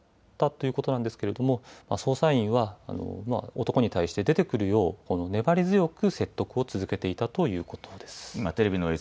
この丸１日たったということなんですけれども捜査員は男に対して出てくるよう粘り強く説得を続けていたということです。